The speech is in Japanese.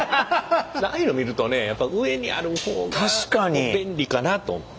ああいうの見るとね上にある方が便利かなと思う。